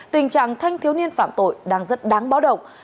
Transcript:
tình trạng thanh thiếu niên phạm tội đang rất đáng báo động